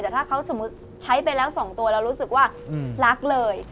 แต่ถ้าเขาสมมุติใช้ไปแล้ว๒ตัวเรารู้สึกว่ารักเลย